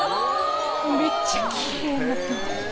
めっちゃキレイになってます。